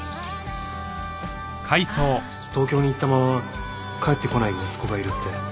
東京に行ったまま帰ってこない息子がいるって。